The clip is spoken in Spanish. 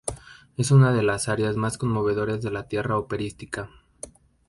Es una de las arias más conmovedoras de la literatura operística.